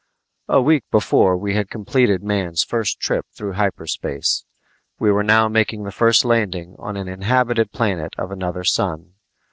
A week before we had completed man's first trip through hyperspace. We were now making the first landing on an inhabited planet of another sun.